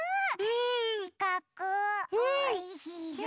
しかくおいしそう！